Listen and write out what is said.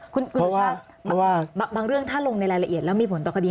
คุณสุชาติบางเรื่องถ้าลงในรายละเอียดแล้วมีผลต่อคดี